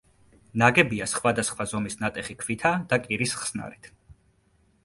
ნაგებია სხვადასხვა ზომის ნატეხი ქვითა და კირის ხსნარით.